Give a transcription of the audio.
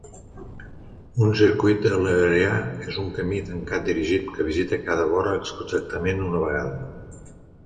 Un circuit eulerià és un camí tancat dirigit que visita cada vora exactament una vegada.